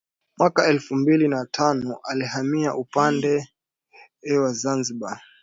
Mwaka elfu mbili na tano alihamia upande wa Zanzibar